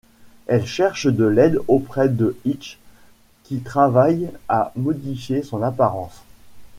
Elle cherche de l'aide auprès de Hitch, qui travaille à modifier son apparence.